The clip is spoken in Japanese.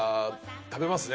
食べますね